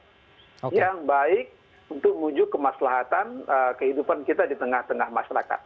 jadi kita harus berpikir baik untuk menuju kemaslahatan kehidupan kita di tengah tengah masyarakat